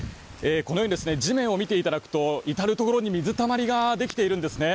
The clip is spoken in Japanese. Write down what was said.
このように地面を見ていただくと至るところに水たまりができているんですね。